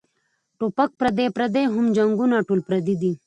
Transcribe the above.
ټوپک پردے پردے او هم جنګــــونه ټول پردي دي